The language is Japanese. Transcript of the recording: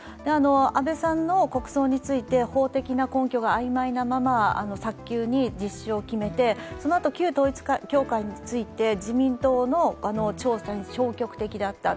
安倍さんの国葬について法的な根拠が曖昧なまま早急に実施を決めて、そのあと、旧統一教会について自民党の調査に消極的だった。